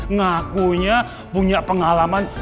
ngakunya punya pengalaman